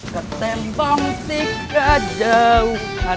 ketembang di kejauhan